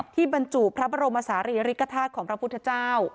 บรรจุพระบรมศาลีริกฐาตุของพระพุทธเจ้า